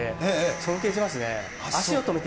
尊敬しますね。